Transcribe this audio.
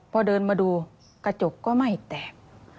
พอเดินมาดูกระจกก็ไม่แตก